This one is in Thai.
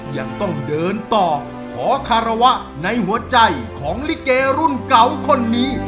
ยังต้องเดินต่อขอคารวะในหัวใจของลิเกรุ่นเก่าคนนี้